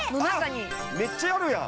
めっちゃあるやん！